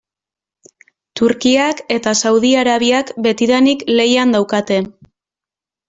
Turkiak eta Saudi Arabiak betidanik lehian daukate.